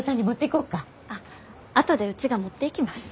あっ後でうちが持っていきます。